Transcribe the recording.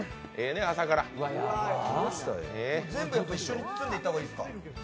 全部一緒にやった方がいいですか？